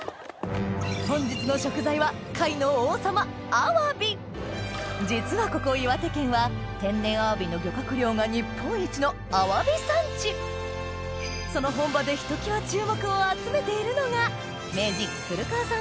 本日の食材は実はここ岩手県は天然アワビの漁獲量が日本一のアワビ産地その本場でひときわ注目を集めているのが名人古川さん